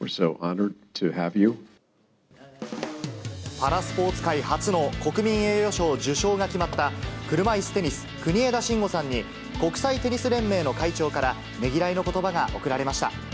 パラスポーツ界初の国民栄誉賞受賞が決まった車いすテニス、国枝慎吾さんに、国際テニス連盟の会長から、ねぎらいのことばが贈られました。